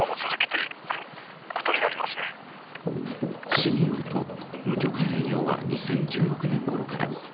市によると、無許可営業は２０１６年ごろから。